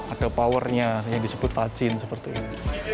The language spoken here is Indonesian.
ada power nya yang disebut tajin seperti itu